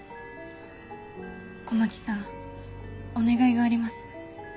狛木さんお願いがあります。